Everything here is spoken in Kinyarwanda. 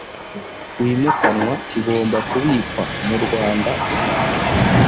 wimukanwa kigomba kubikwa mu rwanda mu